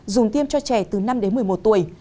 dùng tiêm cho trẻ từ năm đến một mươi một tuổi